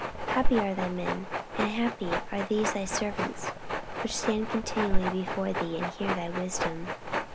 14:009:007 Happy are thy men, and happy are these thy servants, which stand continually before thee, and hear thy wisdom.